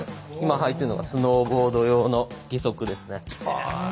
今履いてるのがスノーボード用の義足ですね。